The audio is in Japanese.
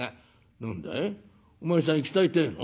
「何だいお前さん行きたいってえの？